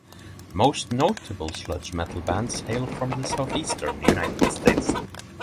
Most notable sludge metal bands hail from the Southeastern United States.